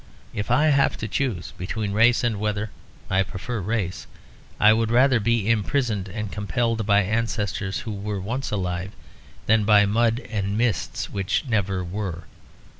If I have to choose between race and weather I prefer race; I would rather be imprisoned and compelled by ancestors who were once alive than by mud and mists which never were.